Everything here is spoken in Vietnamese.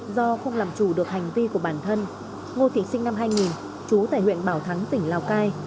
do không làm chủ được hành vi của bản thân ngô thị sinh năm hai nghìn trú tại huyện bảo thắng tỉnh lào cai